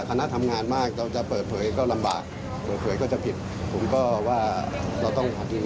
ธนาธรรมงานมากก็จะเปลิดเผยก็ลำบากเผยน่ะก็จะผิดก็ว่าต้องจัดคลิก